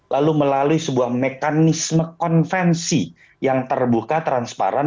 lalu melalui sebuah mekanisme konvensi yang terbuka transparan